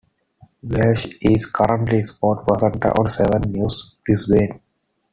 Welsh is currently sport presenter on Seven News Brisbane.